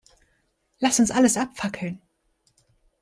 Lass uns alles abfackeln.